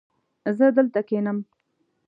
زه دلته کښېنم